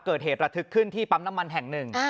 เกิดเหตุระทึกขึ้นที่ปั๊มน้ำมันแห่งหนึ่ง